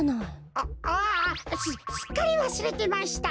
あああすすっかりわすれてました。